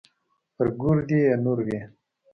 پر ګور دې يې نور وي.